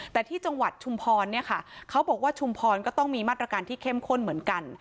แต่ที่จังหวัดชุมพรเนี่ยค่ะเขาบอกว่าชุมพรก็ต้องมีมาตรการที่เข้มข้นเหมือนกัน